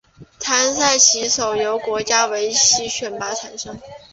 参赛棋手由国家围棋队选拔产生。